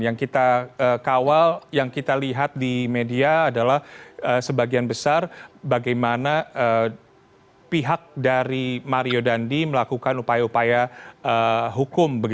yang kita kawal yang kita lihat di media adalah sebagian besar bagaimana pihak dari mario dandi melakukan upaya upaya hukum